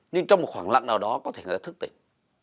nhưng trong một khoảng lặng nào đó có thể người ta thức tỉnh